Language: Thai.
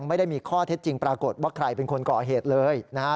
ไม่ได้มีข้อเท็จจริงปรากฏว่าใครเป็นคนก่อเหตุเลยนะฮะ